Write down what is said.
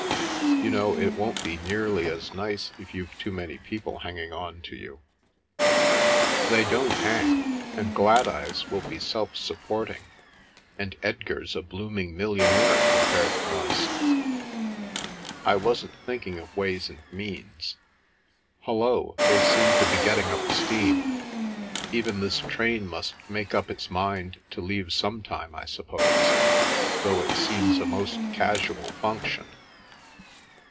You know, it won't be nearly as nice if you've too many people hanging on to you." 205 The Milky Way "They don't hang. And Gladeyes will be self sup porting, and Edgar's a blooming millionaire compared with us." " I wasn't thinking of ways and means. Hullo ! they seem to be getting up steam. Even this train must make up its mind to leave some time, I suppose, though it seems a most casual function.